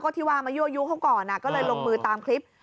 ก็ทิวามายู่เขาก่อนก็เลยลงมือตามคลิป